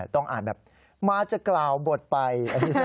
ต้องอ่านแบบมาจะกล่าวบทไป